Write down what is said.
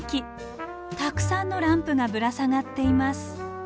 たくさんのランプがぶら下がっています。